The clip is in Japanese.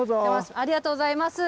ありがとうございます。